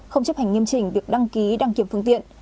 không chấp hành nghiêm trình việc đăng ký đăng kiểm phương tiện